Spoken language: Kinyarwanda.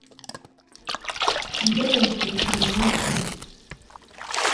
imbwa yose igira umunsi we